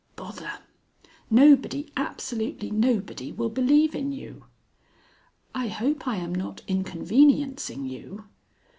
(Bother!) Nobody, absolutely nobody, will believe in you." "I hope I am not inconveniencing you?"